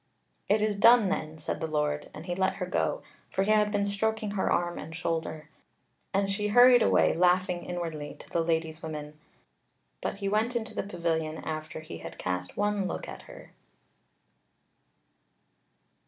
"It is done then," said the Lord; and he let her go; for he had been stroking her arm and shoulder, and she hurried away, laughing inwardly, to the Lady's women. But he went into the pavilion after he had cast one look at her.